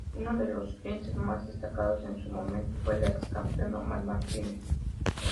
Uno de sus clientes más destacados en su momento, fue el ex-campeón Omar Martínez.